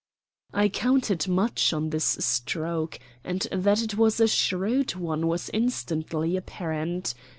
I counted much on this stroke, and that it was a shrewd one was instantly apparent.